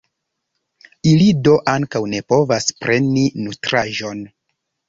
Ili do ankaŭ ne povas preni nutraĵon.